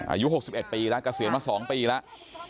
อายุหกสิบเอ็ดปีแล้วเกษียณมาสองปีแล้ว